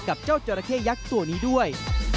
กับเจ้าจราเข้ยักษ์ตัวนี้ด้วย